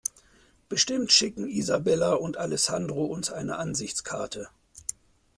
Bestimmt schicken Isabella und Alessandro uns eine Ansichtskarte.